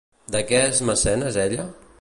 De què és mecenes ella?